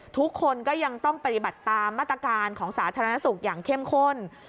ทุกคนก็ยังต้องปฏิบัติตามมาตรการของสาธารณสุขอย่างเข้มข้น